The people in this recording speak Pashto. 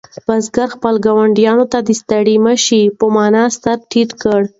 بزګر خپلو ګاونډیانو ته د ستړي مه شي په مانا سر ټیټ کړ.